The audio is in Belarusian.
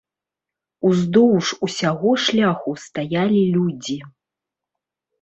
Уздоўж усяго шляху стаялі людзі.